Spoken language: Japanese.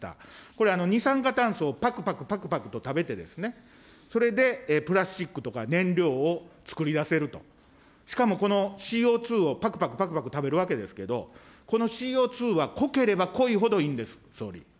これ、二酸化炭素をぱくぱくぱくぱくと食べて、それでプラスチックとか燃料をつくり出せると、しかもこのＣＯ２をぱくぱくぱくぱく食べるわけですけど、このＣＯ２は濃ければいいんです、総理。